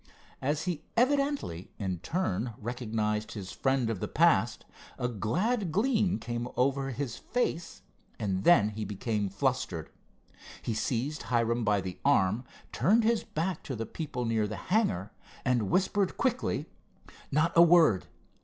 As he evidently in turn recognized his friend of the past, a glad gleam came over his face, and then he became flustered. He seized Hiram by the arm, turned his back to the people near the hangar, and whispered quickly: "Not a word!